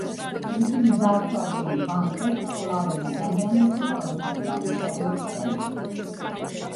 ისინი ძარცვავენ ბანკებს, კლავენ ადამიანებს და სხვა დანაშაულებს ჩადიან.